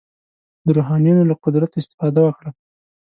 د روحانیونو له قدرت استفاده وکړي.